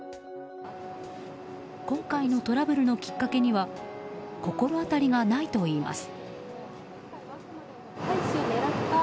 今回のトラブルのきっかけには心当たりがないといいます。